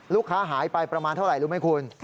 ลูกค้าหายไปประมาณเท่าไหร่รู้ไหมคุณ